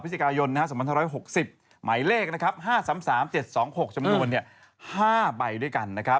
สิทธิกายนสมรรถ๑๖๐หมายเลข๕๓๓๗๒๖จำนวน๕ใบด้วยกัน